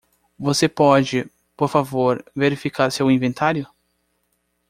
Você pode, por favor, verificar seu inventário?